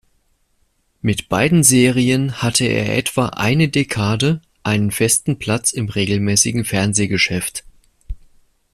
Mit beiden Serien hatte er etwa eine Dekade einen festen Platz im regelmäßigen Fernsehgeschäft.